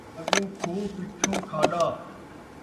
اڳّوں کُھوہ پچُّھوں کھاݙا